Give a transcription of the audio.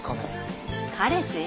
彼氏？